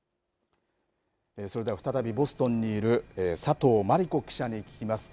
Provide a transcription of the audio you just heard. それでは再びボストンにいる佐藤真莉子記者に聞きます。